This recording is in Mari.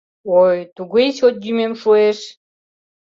— Ой-й, туге чот йӱмем шуэш...